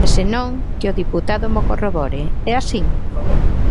E se non que o deputado mo corrobore, ¿é así?